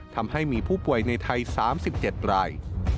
ทำให้มีผู้ป่วยในไทย๓๗ราย